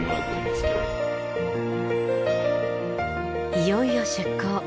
いよいよ出港！